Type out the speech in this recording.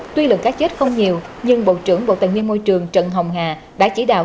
tuy lượng cá chết không nhiều nhưng bộ trưởng bộ tài nguyên môi trường trần hồng hà đã chỉ đạo